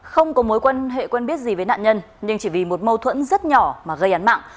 không có mối quan hệ quen biết gì với nạn nhân nhưng chỉ vì một mâu thuẫn rất nhỏ mà gây án mạng